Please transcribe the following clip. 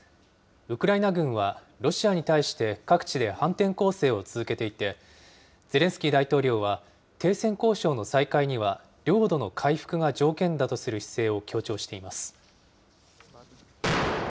ウクライナ軍はロシアに対して各地で反転攻勢を続けていて、ゼレンスキー大統領は、停戦交渉の再開には領土の回復が条件だとする姿勢を強調しています。